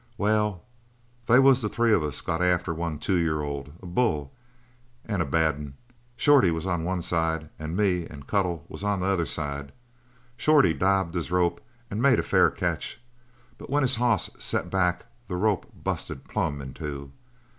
"Well, they was the three of us got after one two year old a bull and a bad 'un. Shorty was on one side and me and Cuttle was on the other side. Shorty daubed his rope and made a fair catch, but when his hoss set back the rope busted plumb in two.